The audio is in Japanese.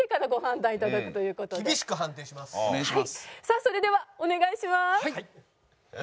さあそれではお願いします！